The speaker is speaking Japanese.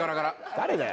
誰だよ。